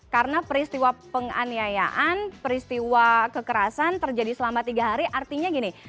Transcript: karena peristiwa penganiayaan peristiwa kekerasan terjadi selama tiga hari artinya gini